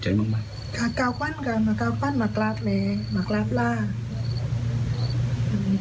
แต่ของมันต้องกว่าและกลับเมลที่ที่เขาผ่าน